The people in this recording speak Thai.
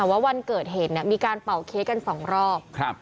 ว่าวันเกิดเหตุเนี่ยมีการเป่าเค้กกันสองรอบ